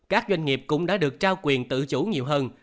các doanh nghiệp cũng đã được trao quyền tự chủ nhiều hơn